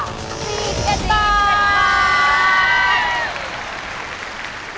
๔เงี่ยตอน